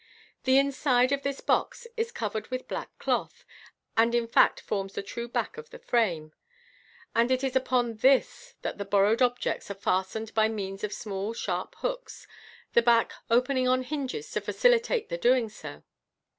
The inside of this box is covered with black cloth, and in fact forms the true back of the frame ; and it is upon this that the borrowed objects are fastened by means of small sharp hooks, the back opening on hinges to facilitate the doing so.